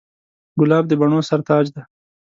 ګلاب د بڼو سر تاج دی.